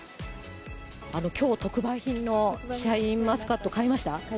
きょう特売品のシャインマスカット買いました？